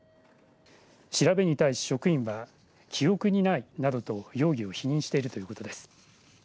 調べに対し職員は記憶にないなどと容疑を否認しているということです。